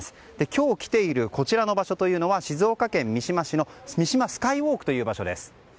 今日来ている、こちらの場所は静岡県三島市の三島スカイウォークという場所です。